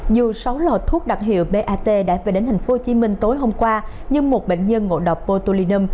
dù sáu lò thuốc đặc hiệu bat đã về đến tp hcm tối hôm qua nhưng một bệnh nhân ngộ độc botulinum